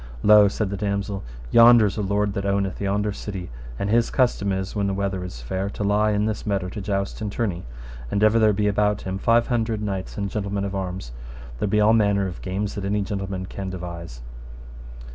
Lo, said the damosel, yonder is a lord that owneth yonder city, and his custom is, when the weather is fair, to lie in this meadow to joust and tourney. And ever there be about him five hundred knights and gentlemen of arms, and there be all manner of games that any gentleman can devise.